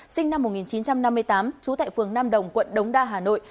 sinh năm một nghìn chín trăm năm mươi tám trú tại phường nam đồng quận đống đa hà nội